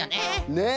ねえ。